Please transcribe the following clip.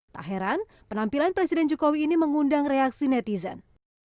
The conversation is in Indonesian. tak heran penampilan presiden jokowi ini mengundang reaksi netizen